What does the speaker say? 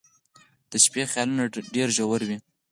• د شپې خیالونه ډېر ژور وي.